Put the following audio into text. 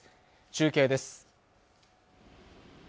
中継です